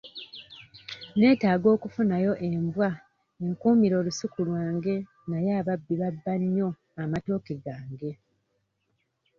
Neetaaga okufunayo embwa enkuumire olusuku lwange naye ababbi babba nnyo amatooke gange.